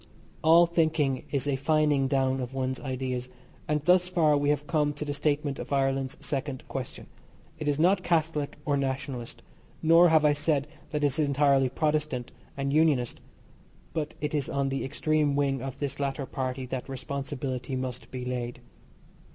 All thinking is a fining down of one's ideas, and thus far we have come to the statement of Ireland's second question. It is not Catholic or Nationalist, nor have I said that it is entirely Protestant and Unionist, but it is on the extreme wing of this latter party that responsibility must be laid.